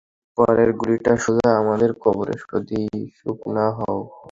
পরের গুলিটা সোজা তোমাকে করব, যদি তুমি চুপ না হও।